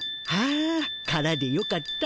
あ空でよかった。